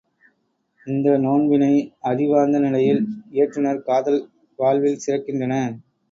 இந்த நோன்பினை அறிவார்ந்த நிலையில் இயற்றுநர் காதல் வாழ்வில் சிறக்கின்றனர்.